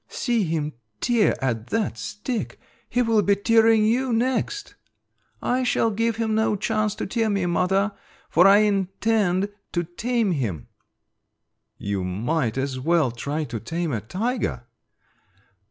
"See him tear at that stick! He will be tearing you next." "I shall give him no chance to tear me, mother, for I intend to tame him." "You might as well try to tame a tiger."